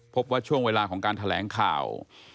พบว่าช่วงเวลาของการแถลงข่าว